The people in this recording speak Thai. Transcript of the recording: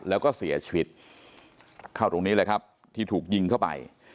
แล้วก็เสียชีวิตเข้าตรงนี้เลยครับที่ถูกยิงเข้าไป